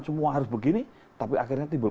semua harus begini tapi akhirnya timbul